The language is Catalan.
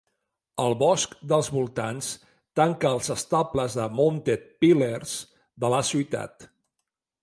El bosc dels voltants tanca els estables de Mounted Peelers de la ciutat.